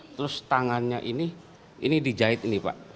terus tangannya ini ini dijahit ini pak